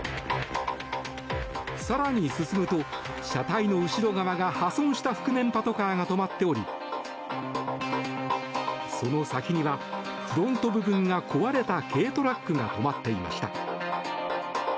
更に進むと車体の後ろ側が破損した覆面パトカーが止まっておりその先にはフロント部分が壊れた軽トラックが止まっていました。